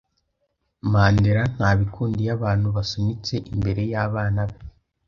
Mandera ntabikunda iyo abantu basunitse imbere yabana be.